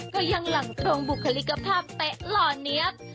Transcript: ก็ยังหลั่งตรงบุคลิกภาพเป๊ะหล่อเนี๊ยบ